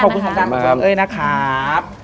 ขอบคุณช่วยกันนะครับ